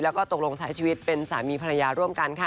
แล้วก็ตกลงใช้ชีวิตเป็นสามีภรรยาร่วมกันค่ะ